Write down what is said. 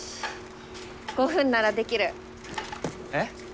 ５分ならできる。え？